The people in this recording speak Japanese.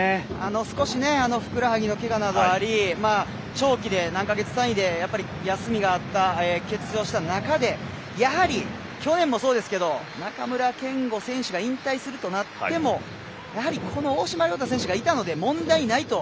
少しふくらはぎのけがなどあり長期で、何か月単位で休みがあった、欠場した中でやはり、去年もそうですけど中村憲剛選手が引退するとなってもやはり大島僚太選手がいたので問題ないと。